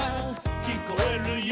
「きこえるよ」